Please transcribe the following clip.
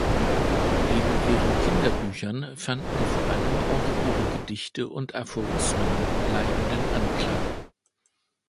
Neben ihren Kinderbüchern fanden vor allem auch ihre Gedichte und Aphorismen bleibenden Anklang.